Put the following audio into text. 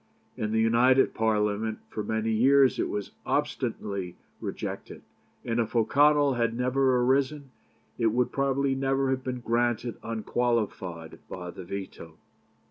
In the United Parliament for many years it was obstinately rejected, and if O'Connell had never arisen it would probably never have been granted unqualified by the veto.